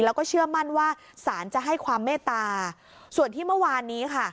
แล้วก็เชื่อมั่นว่าสารจะให้ความเมตตาส่วนที่เมื่อวานนี้ค่ะ